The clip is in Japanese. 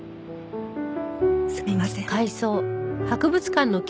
すみません。